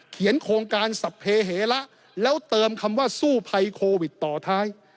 โครงการสัพเพเหละแล้วเติมคำว่าสู้ภัยโควิดต่อท้าย